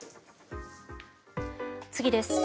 次です。